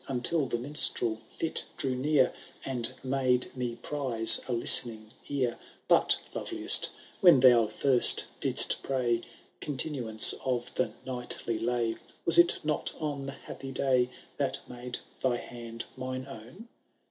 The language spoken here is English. * Until the minstrel fit drew near. And made me prize a listening ear. But, loveliest, when thou first didst pray Continuance of the knightly lay, Was it not on the happy day That made thy hand mine own